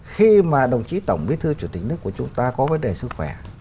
khi mà đồng chí tổng bí thư chủ tịch nước của chúng ta có vấn đề sức khỏe